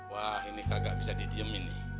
wah ini kagak bisa didiemin nih